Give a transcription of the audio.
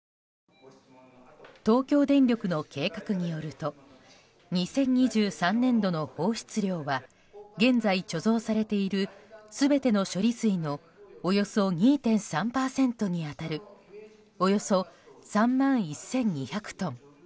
東京電力の計画によると２０２３年度の放出量は現在貯蔵されている全ての処理水のおよそ２．３％に当たるおよそ３万１２００トン。